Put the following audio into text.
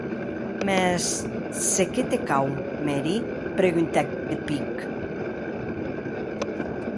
Mès, se qué te cau, Mary?, preguntèc de pic.